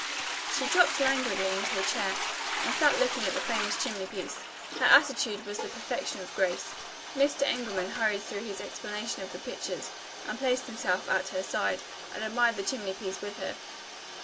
She dropped languidly into a chair, and sat looking at the famous chimney piece. Her attitude was the perfection of grace. Mr. Engelman hurried through his explanation of the pictures, and placed himself at her side, and admired the chimney piece with her.